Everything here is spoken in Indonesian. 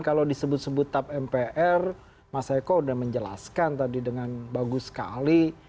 kalau disebut sebut tap mpr mas eko sudah menjelaskan tadi dengan bagus sekali